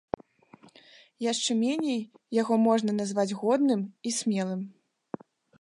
Яшчэ меней яго можна назваць годным і смелым.